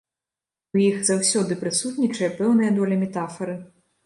У іх заўсёды прысутнічае пэўная доля метафары.